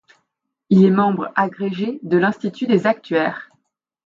Il est membre agrégé de l'Institut des actuaires.